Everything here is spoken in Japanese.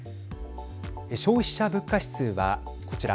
消費者物価指数はこちら。